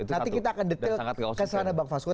nanti kita akan detail kesana bang fasko